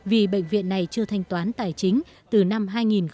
vì bệnh viện này chưa thanh toán tài chính từ năm hai nghìn một mươi